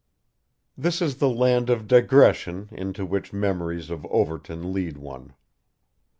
This is the land of digression into which memories of Overton lead one.